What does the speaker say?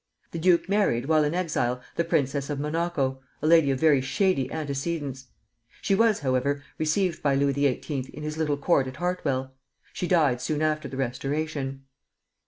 The duke married while in exile the princess of Monaco, a lady of very shady antecedents. She was, however, received by Louis XVIII. in his little court at Hartwell. She died soon after the Restoration.